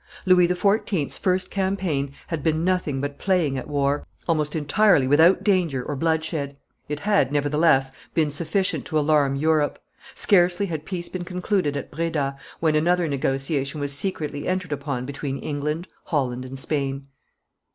Louis XIV.'s first campaign had been nothing but playing at war, almost entirely without danger or bloodshed; it had, nevertheless, been sufficient to alarm Europe. Scarcely had peace been concluded at Breda, when another negotiation was secretly entered upon between England, Holland, and Sweden.